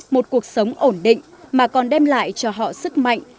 một cuộc sống ổn định mà còn đem lại cho họ sức mạnh